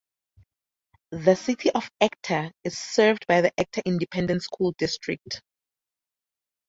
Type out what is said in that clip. The city of Ector is served by the Ector Independent School District.